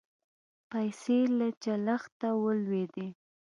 پیسې له چلښته ولوېدې.